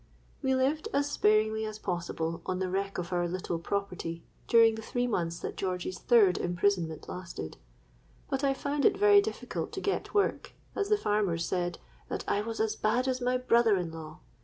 "We lived as sparingly as possible on the wreck of our little property, during the three months that George's third imprisonment lasted; but I found it very difficult to get work, as the farmers said 'that I was as bad as my brother in law.'